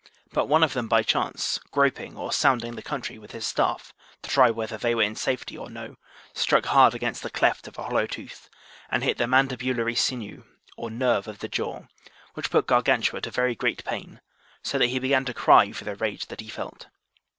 But one of them by chance, groping or sounding the country with his staff, to try whether they were in safety or no, struck hard against the cleft of a hollow tooth, and hit the mandibulary sinew or nerve of the jaw, which put Gargantua to very great pain, so that he began to cry for the rage that he felt.